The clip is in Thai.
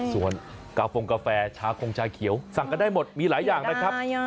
ส่วนกาโฟงกาแฟชาคงชาเขียวสั่งกันได้หมดมีหลายอย่างนะครับ